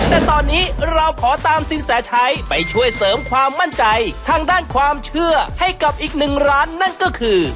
แต่ตอนนี้เราขอตามสินแสชัยไปช่วยเสริมความมั่นใจทางด้านความเชื่อให้กับอีกหนึ่งร้านนั่นก็คือ